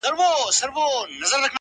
• چي انسان خداى له ازله پيدا كړى ,